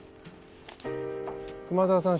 熊沢さん